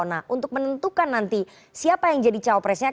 nah untuk menentukan nanti siapa yang jadi cawapresnya